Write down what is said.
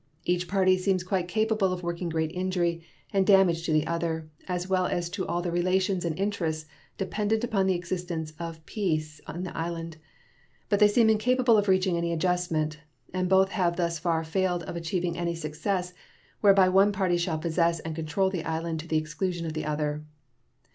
Each party seems quite capable of working great injury and damage to the other, as well as to all the relations and interests dependent on the existence of peace in the island; but they seem incapable of reaching any adjustment, and both have thus far failed of achieving any success whereby one party shall possess and control the island to the exclusion of the other.